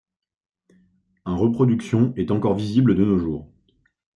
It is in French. Un reproduction est encore visible de nos jours.